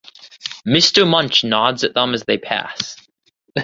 Mister Munch nods at them as they pass.